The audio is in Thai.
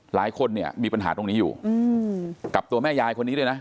หลายคนเนี่ยมีปัญหาตรงนี้อยู่กับตัวแม่ยายคนนี้ด้วยนะ